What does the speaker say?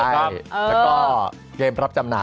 และการเกมเย็นบันดาลับจำนำ